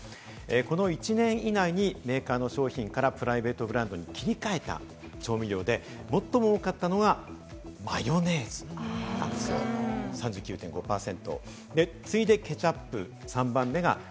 この１年以内にメーカーの商品からプライベートブランドに切り替えた調味料で最も多かったのはマヨネーズなんですよ、３９．５％。